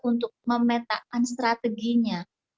untuk memetakan strateginya